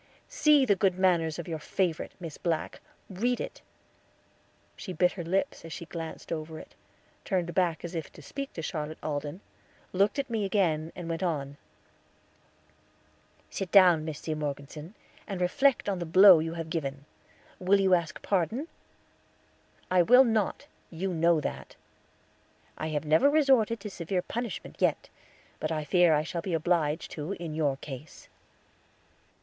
"See the good manners of your favorite, Miss Black; read it." She bit her lips as she glanced over it, turned back as if to speak to Charlotte Alden, looked at me again, and went on: "Sit down, Miss C. Morgeson, and reflect on the blow you have given. Will you ask pardon?" "I will not; you know that." "I have never resorted to severe punishment yet; but I fear I shall be obliged to in your case."